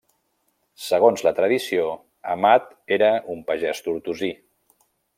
Segons la tradició, Amat era un pagès tortosí.